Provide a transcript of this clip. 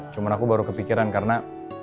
cuma aku baru kepikiran karena